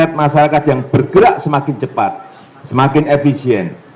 masyarakat yang bergerak semakin cepat semakin efisien